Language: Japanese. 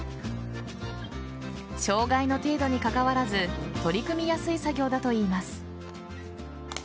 障害の程度にかかわらず取り組みやすい作業だといいます。